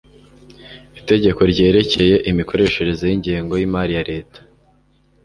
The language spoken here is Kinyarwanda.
itegeko ryerekeye imikoreshereze y ingengo y imari ya leta